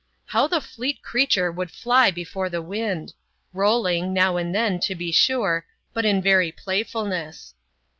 How the fleet creature would fly before the wind ! rolling, now and then, to be sure, but in very playfulness.